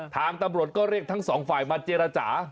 ทางตำรวจก็เรียกทั้งสองฝ่ายมาเจรจา